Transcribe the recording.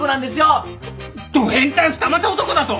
ど変態二股男だと！？